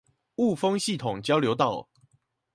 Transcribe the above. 霧峰系統交流道